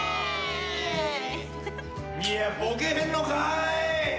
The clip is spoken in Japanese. ・いやボケへんのかーい！